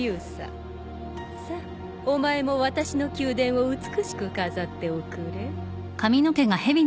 さあお前も私の宮殿を美しく飾っておくれ。